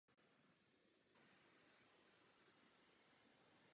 Tři týdny po jeho narození mu zemřela matka.